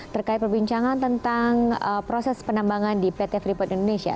terkait perbincangan tentang proses penambangan di pt freeport indonesia